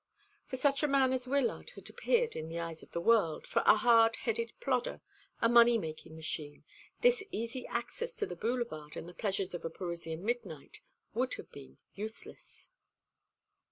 For such a man as Wyllard had appeared in the eyes of the world, for a hard headed plodder, a moneymaking machine, this easy access to the Boulevard and the pleasures of a Parisian midnight would have been useless.